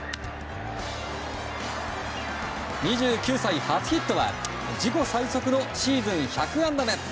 ２９歳初ヒットは自己最速のシーズン１００安打目。